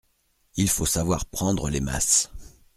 Il faut savoir prendre les masses.